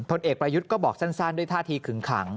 เอกประยุทธ์ก็บอกสั้นด้วยท่าทีขึงขัง